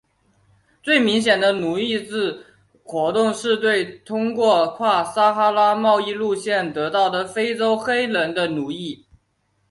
最明显的奴隶制活动是对通过跨撒哈拉贸易路线得到的非洲黑人的奴役。